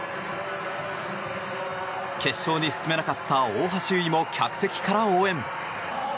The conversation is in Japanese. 決勝に進めなかった大橋悠依も客席から応援。